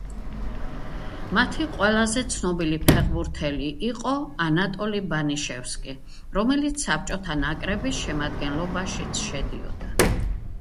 მათი ყველაზე ცნობილი ფეხბურთელი იყო ანატოლი ბანიშევსკი, რომელიც საბჭოთა ნაკრების შემადგენლობაშიც შედიოდა.